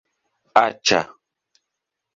aĉa